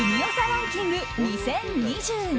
ランキング２０２２。